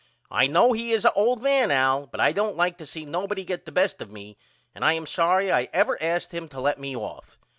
I know he is a old man Al but I don't like to see nobody get the best of me and I am sorry I ever asked him to let me off.